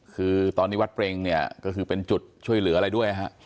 คือตอนนี้วัดเปรงเนี่ยก็คือเป็นจุดช่วยเหลืออะไรด้วยฮะ